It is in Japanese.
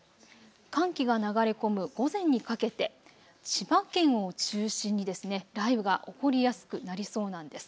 寒気が流れ込む午前にかけて千葉県を中心に雷雨が起こりやすくなりそうなんです。